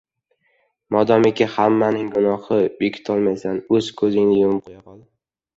• Modomiki, hammaning gunohini bekitolmaysan, o‘z ko‘zingni yumib qo‘ya qol.